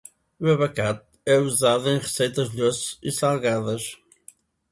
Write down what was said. O abacate é usado em receitas doces e salgadas.